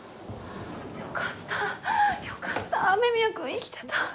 よかったよかった雨宮くん生きてた。